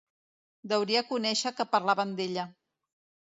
Deuria conèixer que parlaven d'ella